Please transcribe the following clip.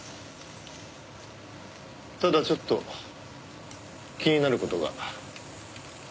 ただちょっと気になる事が。